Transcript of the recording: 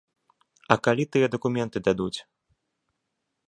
А калі тыя дакументы дадуць?